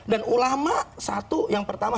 dan ulama satu yang pertama